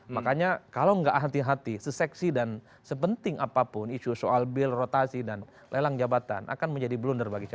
makanya kalau nggak hati hati seseksi dan sepenting apapun isu soal bill rotasi dan lelang jabatan akan menjadi blunder bagi siapa